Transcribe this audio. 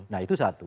nah itu satu